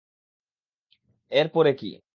এর পরে কি?